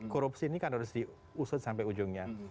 korupsi ini kan harus diusut sampai ujungnya